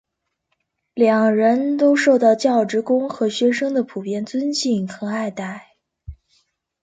两人都受到教职工和学生的普遍尊敬和爱戴。